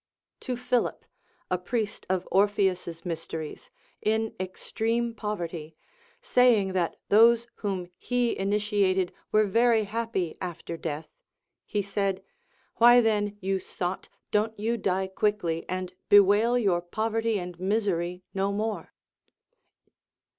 To PhiUp, a priest of Orpheus's mysteries, in extreme pov erty, saying that those whom he initiated were very happy after death, he said, Why then, you sot, don't you die quickly, and bewail your poverty and misery no more